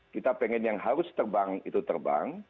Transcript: kita pengen yang harus terbang itu terbang